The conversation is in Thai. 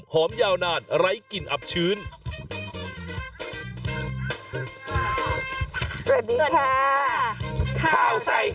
ผ้าเยอะค่ะ